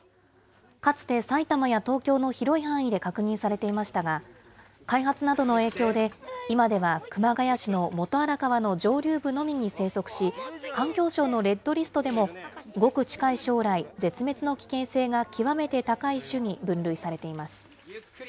かつて埼玉や東京の広い範囲で確認されていましたが、開発などの影響で、今では熊谷市の元荒川の上流部のみに生息し、環境省のレッドリストでも、ごく近い将来、絶滅の危険性が極めて高い種に分類されています。